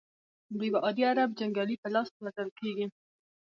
د یوه عادي عرب جنګیالي په لاس وژل کیږي.